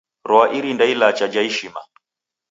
Rwaa irinda ilacha ja ishima.